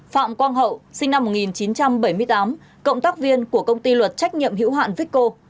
phạm quang hậu sinh năm một nghìn chín trăm bảy mươi tám cộng tác viên của công ty luật trách nhiệm hữu hạn vicko